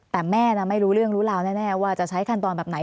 แต่แม่ไม่รู้เรื่องรู้ราวแน่ว่าจะใช้ขั้นตอนแบบไหน